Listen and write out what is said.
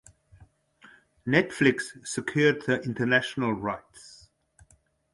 Netflix secured the international rights.